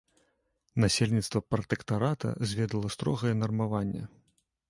Насельніцтва пратэктарата зведала строгае нармаванне.